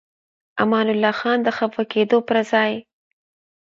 امان الله خان د خفه کېدو پر ځای.